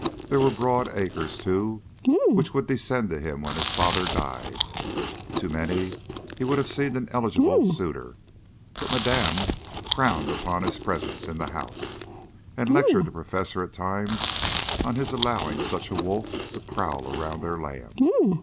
There were broad acres, too, which would descend to him when his father died. To many he would have seemed an eligible suitor; but Madame frowned upon his presence in the house, and lectured the Professor at times on his allowing such a wolf to prowl around their lamb.